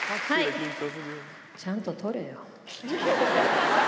はい、ちゃんと取れよ。